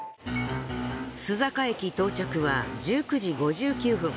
須坂駅到着は１９時５９分。